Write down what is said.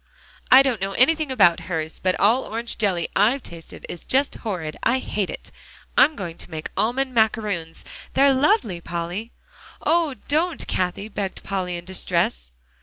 "I don't know anything about hers, but all orange jelly I have tasted is just horrid. I hate it! I'm going to make almond macaroons. They're lovely, Polly." "Oh! don't, Cathie," begged Polly in distress.